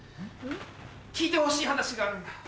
聞いてほしい話があるんだ。